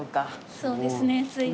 そうですねついに。